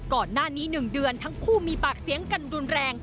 ก่อนหน้านี้๑เดือนทั้งคู่มีปากเสียงกันรุนแรง